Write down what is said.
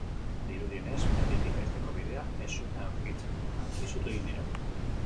Dirudienez, menditik jaisteko bidea ez zuten aurkitzen, eta izutu egin dira.